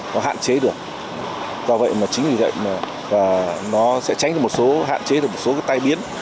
nó hạn chế được do vậy mà chính vì vậy mà nó sẽ tránh được một số hạn chế được một số cái tai biến